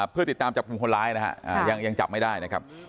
เพื่อติดตามจับกลุ่มคนร้ายนะฮะยังจับไม่ได้นะครับ